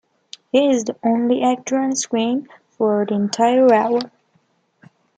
He is the only actor on-screen for the entire hour.